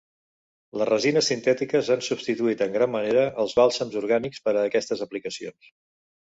Les resines sintètiques han substituït en gran manera els bàlsams orgànics per a aquestes aplicacions.